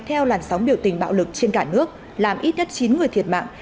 theo làn sóng biểu tình bạo lực trên cả nước làm ít nhất chín người thiệt mạng